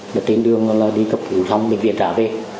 mà tên đường là đi cấp hữu trong bệnh viện trả về